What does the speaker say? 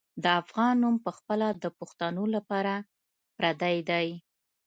د افغان نوم پخپله د پښتنو لپاره پردی دی.